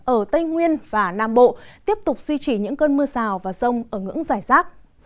ở tây nguyên và nam bộ tiếp tục suy trì những cơn mưa sào và rông ở ngưỡng giải rác